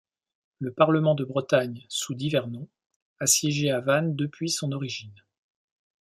Le Parlement de Bretagne, sous divers noms, a siégé à Vannes depuis son origine.